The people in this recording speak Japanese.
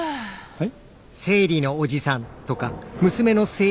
はい？